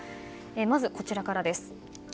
まずこちらからです。